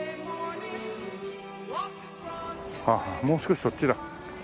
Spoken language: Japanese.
もう少しそっちだ。